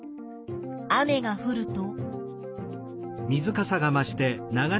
雨がふると。